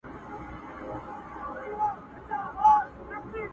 د زمان په لاس کي اوړمه زمولېږم،